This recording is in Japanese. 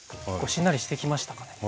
しんなりしてきましたかね。